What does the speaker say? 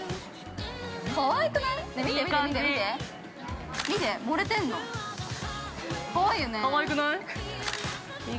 ◆かわいくない！？